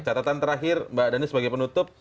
catatan terakhir mbak dhani sebagai penutup